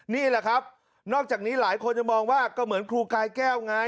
นี่แหละครับนอกจากนี้หลายคนยังมองว่าก็เหมือนครูกายแก้วไง